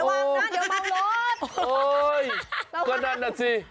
โอ๊ยก็นั่นน่ะสิ